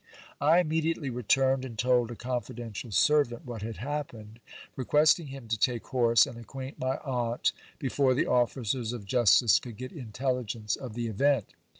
I immediately returned, and told a confidential servant what had happened, requesting him to take horse and acquaint my aunt, before the officers of justice could get intelligence of the event.